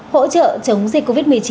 hỗ trợ chống dịch covid một mươi chín